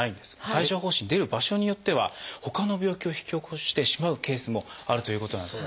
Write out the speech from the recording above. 帯状疱疹出る場所によってはほかの病気を引き起こしてしまうケースもあるということなんです。